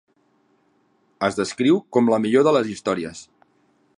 Es descriu com 'la millor de les històries'.